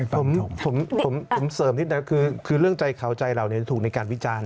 ผมเสริมนิดนึงคือเรื่องใจเขาใจเราถูกในการวิจารณ์